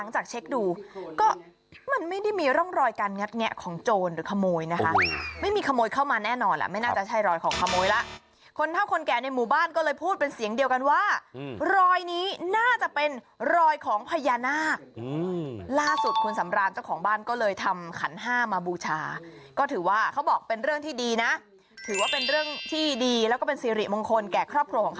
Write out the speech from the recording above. โอ้โฮโอ้โฮโอ้โฮโอ้โฮโอ้โฮโอ้โฮโอ้โฮโอ้โฮโอ้โฮโอ้โฮโอ้โฮโอ้โฮโอ้โฮโอ้โฮโอ้โฮโอ้โฮโอ้โฮโอ้โฮโอ้โฮโอ้โฮโอ้โฮโอ้